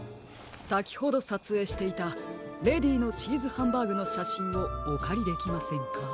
さきほどさつえいしていたレディーのチーズハンバーグのしゃしんをおかりできませんか？